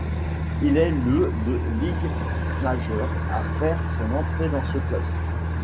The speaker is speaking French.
Il est le de Ligue majeure à faire son entrée dans ce club.